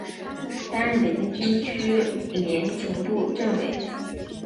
担任北京军区联勤部政委。